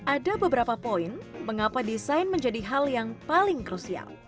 ada beberapa poin mengapa desain menjadi hal yang paling krusial